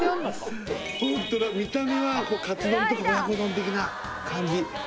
ホントだ見た目はかつ丼とか親子丼的な感じ